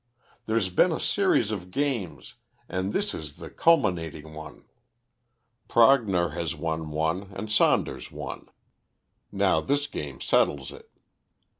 There's been a series of games, and this is the culminating one. Prognor has won one, and Saunders one; now this game settles it.